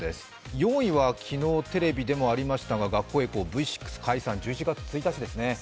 ４位は、昨日テレビでもありましたが、「学校へ行こう！」、Ｖ６解散、１１月１日ですね。